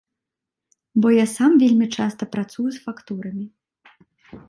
Бо я сам вельмі часта працую з фактурамі.